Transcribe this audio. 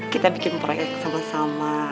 kita bikin proyek sama sama